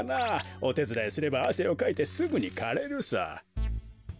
おてつだいすればあせをかいてすぐにかれるさ。